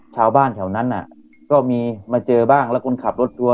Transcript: ชาวบ้านแถวนั้นก็มีมาเจอบ้างแล้วคนขับรถทัวร์